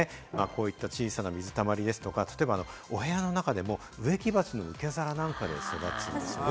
こういった小さな水たまりですとか、例えばお部屋の中でも植木鉢の受け皿なんかで育つんです。